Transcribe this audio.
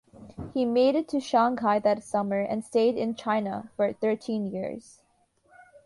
He made it to Shanghai that summer, and stayed in China for thirteen years.